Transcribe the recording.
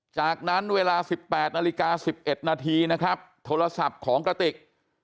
จากนั้นเวลาสิบแปดนาฬิกาสิบเอ็ดนาทีนะครับโทรศัพท์ของกระติก